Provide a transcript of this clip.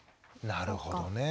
なるほどね。